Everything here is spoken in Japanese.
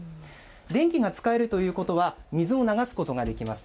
電気が使えるということは、水を流すことができます。